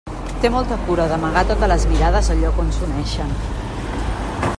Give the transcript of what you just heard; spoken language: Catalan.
Té molta cura d'amagar a totes les mirades el lloc on s'uneixen.